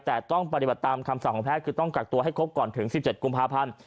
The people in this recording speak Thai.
แต่ต้องปฏิบัติตามคำสั่งของแพทย์คือต้องกักตัวให้ครบก่อนถึง๑๗กุมภาพันธ์